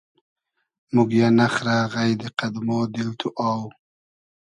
موگیۂ نئخرۂ غݷدی قئد مۉ دیل تو اۆ